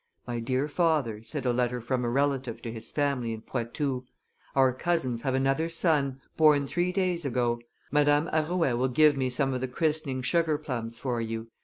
"My dear father," said a letter from a relative to his family in Poitou, "our cousins have another son, born three days ago; Madame Arouet will give me some of the christening sugar plums for you.